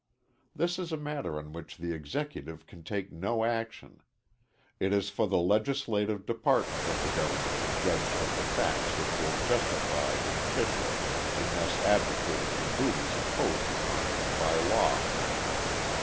This is a matter on which the Executive can take no action. It is for the legislative department of the government to judge of the facts which will justify an official in thus abdicating the duties imposed upon him by law.